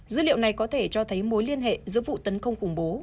dữ liệu này có thể cho thấy mối liên hệ giữa vụ tấn công khủng bố